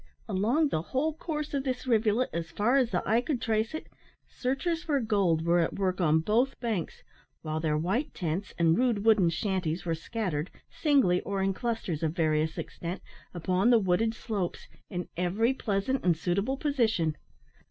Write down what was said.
Along the whole course of this rivulet, as far as the eye could trace it, searchers for gold were at work on both banks, while their white tents, and rude wooden shanties, were scattered, singly or in clusters of various extent, upon the wooded slopes, in every pleasant and suitable position.